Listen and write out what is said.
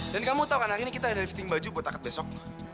dan kamu tau kan hari ini kita ada fitting baju buat akad besok